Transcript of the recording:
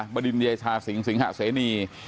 บดินเดชาสิงสิงหะเสนี